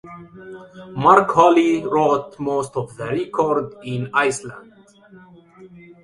Mark Holley wrote most of the record in Iceland.